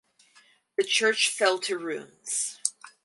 The church fell to ruins.